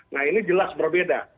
nah ini jelas berbeda